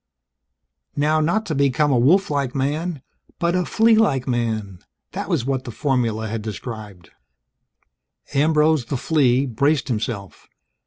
Not how to become a wolf like man, but a flea like man that was what the formula had described. Ambrose, the flea, braced himself.